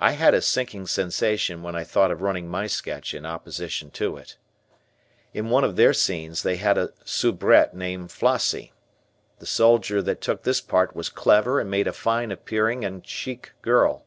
I had a sinking sensation when I thought of running my sketch in opposition to it. In one of their scenes they had a soubrette called Flossie. The soldier that took this part was clever and made a fine appearing and chic girl.